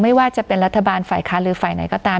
ไม่ว่าจะเป็นรัฐบาลฝ่ายค้านหรือฝ่ายไหนก็ตาม